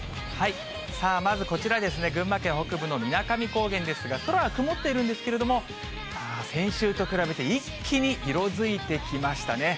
まずこちらですね、群馬県北部の水上高原ですが、空は曇っているんですけれども、先週と比べて一気に色づいてきましたね。